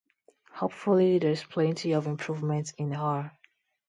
Hopefully there’s plenty of improvement in her.